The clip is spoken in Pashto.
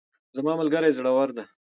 زما ملګری زړور ده